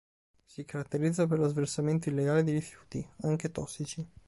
Si caratterizza per lo sversamento illegale di rifiuti, anche tossici.